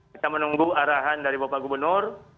kita menunggu arahan dari bapak gubernur